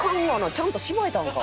ちゃんとシバいたんか？